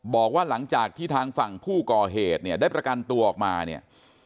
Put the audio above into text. บอกว่าหลังจากที่ทางฝั่งผู้ก่อเหตุเนี่ยได้ประกันตัวออกมาเนี่ย